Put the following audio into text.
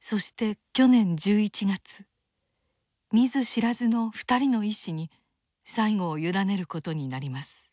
そして去年１１月見ず知らずの２人の医師に最期を委ねることになります。